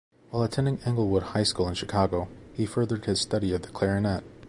While attending Englewood High School in Chicago, he furthered his study of the clarinet.